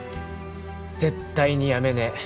絶対に辞めねえ。